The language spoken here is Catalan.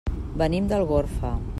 Venim d'Algorfa.